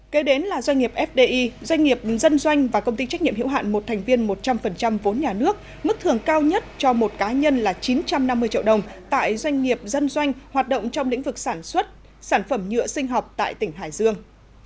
kế đến là doanh nghiệp fdi doanh nghiệp dân doanh và công ty trách nhiệm hiệu hạn một thành viên một trăm linh vốn nhà nước mức thưởng cao nhất cho một cá nhân là chín trăm năm mươi triệu đồng tại doanh nghiệp dân doanh hoạt động trong lĩnh vực sản xuất sản phẩm nhựa sinh học tại tỉnh hải dương